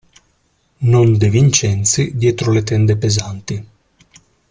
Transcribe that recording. Non De Vincenzi dietro le tende pesanti.